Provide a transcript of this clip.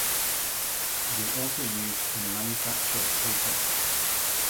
It is also used in the manufacture of paper.